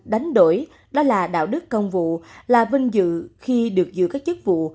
đánh đổi đó là đạo đức công vụ là vinh dự khi được giữ các chức vụ